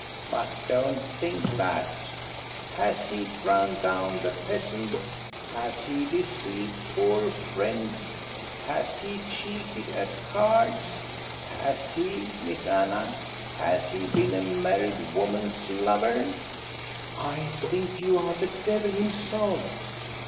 But don't think that ! Has he ground down the peasants, has he deceived poor friends, has he cheated at cards.? Has he. Miss Anna, has he been a married woman's lover?" " I think you are the devil himself